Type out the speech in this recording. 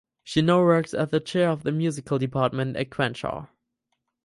She now works as the Chair of the Musical Department at Crenshaw.